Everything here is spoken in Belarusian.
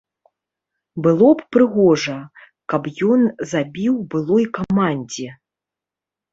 Было б прыгожа, каб ён забіў былой камандзе.